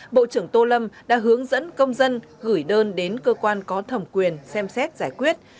bộ trưởng tô lâm đã hướng dẫn công dân gửi đơn đến cơ quan có thẩm quyền xem xét giải quyết